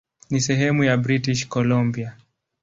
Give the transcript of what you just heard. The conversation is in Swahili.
Ni sehemu ya British Columbia.